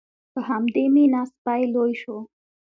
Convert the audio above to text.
په همدې مینه سپی لوی شو.